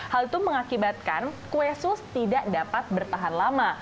hal itu mengakibatkan kue sus tidak dapat bertahan lama